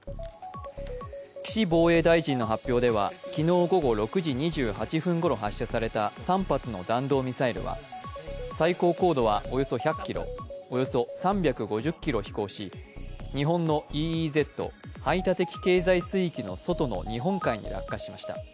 岸防衛大臣の発表では昨日午後６時２８分ごろ発射された３発の弾道ミサイルは最高高度はおよそ１００ｋｍ、およそ３５０ｋｍ飛行し、日本のＥＥＺ＝排他的経済水域の外の日本海に落下しました。